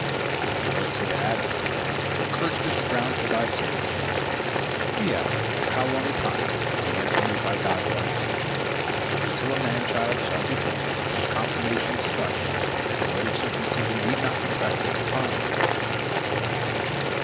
When the Lord said to Adam, "Cursed is the ground for thy sake," he asked, "For how long a time?" and the answer made by God was, "Until a man child shall be born whose conformation is such that the rite of circumcision need not be practiced upon him."